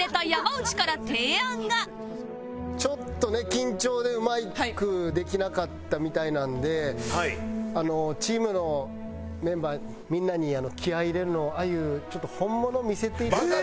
緊張でうまくできなかったみたいなんでチームのメンバーみんなに気合入れるのあゆちょっと本物見せていただいても。